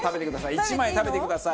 １枚食べてください。